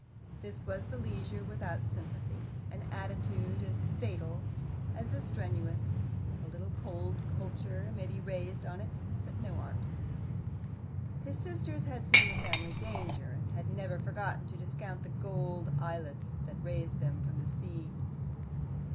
His was the leisure without sympathy an attitude as fatal as the strenuous: a little cold culture may be raised on it, but no art. His sisters had seen the family danger, and had never forgotten to discount the gold islets that raised them from the sea.